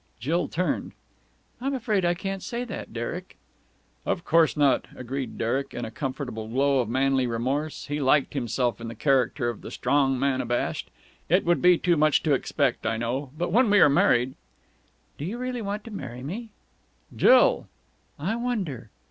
Jill turned. "I'm afraid I can't say that, Derek." "Of course not!" agreed Derek in a comfortable glow of manly remorse. He liked himself in the character of the strong man abashed. "It would be too much to expect, I know. But, when we are married...." "Do you really want to marry me?" "Jill!" "I wonder!"